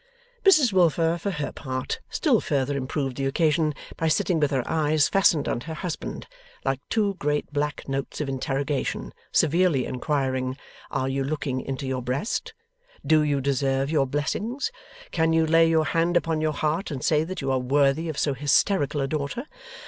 Mrs Wilfer, for her part, still further improved the occasion by sitting with her eyes fastened on her husband, like two great black notes of interrogation, severely inquiring, Are you looking into your breast? Do you deserve your blessings? Can you lay your hand upon your heart and say that you are worthy of so hysterical a daughter?